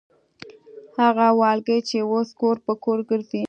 هغه والګي چې اوس کور پر کور ګرځي.